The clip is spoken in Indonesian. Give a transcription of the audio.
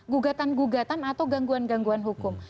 gugatan gugatan atau gangguan gangguan hukum